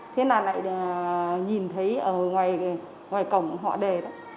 thế là lại nhìn thấy ở ngoài ngoài cổng họ đề đó